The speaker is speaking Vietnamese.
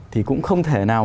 thì cũng không thể nào